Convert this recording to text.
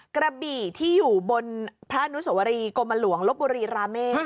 กระบี่ที่อยู่บนพระอนุสวรีกรมหลวงลบบุรีราเมฆ